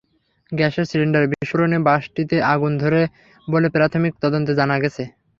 গ্যাসের সিলিন্ডার বিস্ফোরণে বাসটিতে আগুন ধরে বলে প্রাথমিক তদন্তে জানা গেছে।